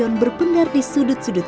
yang menkingari pada weeaboo